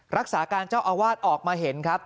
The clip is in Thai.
รักษาการเจ้าอาวาสออกมาเห็นครับ